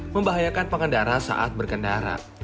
membahayakan pengendara saat berkendara